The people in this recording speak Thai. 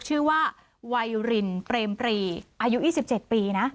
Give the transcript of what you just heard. ชื่อว่าไวรินเปรมปรีอายุ๒๗ปีนะ